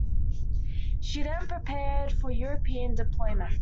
She then prepared for European deployment.